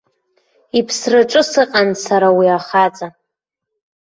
Иԥсраҿы сыҟан сара уи ахаҵа.